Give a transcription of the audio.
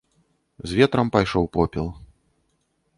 З ветрам пайшоў попел.